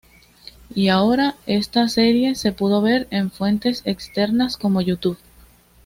Y ahora esta serie se pude ver en fuentes externas como YouTube.